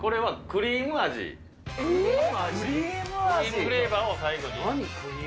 クリームフレーバーを最後に。